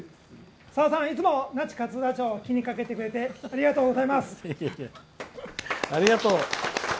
さださんいつも那智勝浦町を気にかけてくれてありがとうございます。